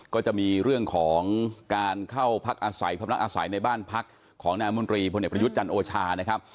ก็จะมีเรื่องของการเข้าพักอาศัยพนักอาศัยในบ้านพักของนายมนตรีพลเอกประยุทธ์จันทร์โอชานะครับ